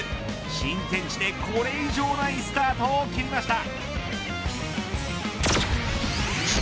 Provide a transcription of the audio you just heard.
新天地でこれ以上ないスタートを切りました。